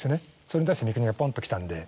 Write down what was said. それに対して三國がポンときたんで。